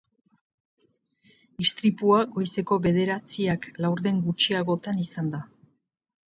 Istripua goizeko bederatziak laurden gutxiagotan izan da.